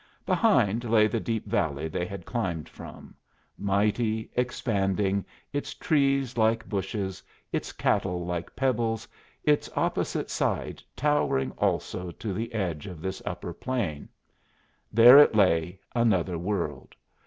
Behind lay the deep valley they had climbed from, mighty, expanding, its trees like bushes, its cattle like pebbles, its opposite side towering also to the edge of this upper plain. There it lay, another world.